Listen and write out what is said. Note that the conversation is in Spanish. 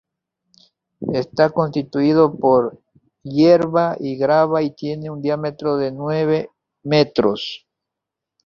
Está constituido por hierba y grava y tiene un diámetro de nueve metros.